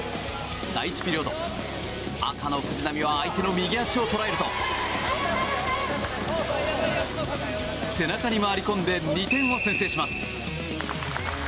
第１ピリオド、赤の藤波は相手の右足を捉えると背中に回り込んで２点を先制します。